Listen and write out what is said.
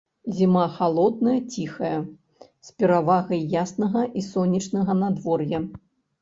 Зіма халодная, ціхая, з перавагай яснага і сонечнага надвор'я.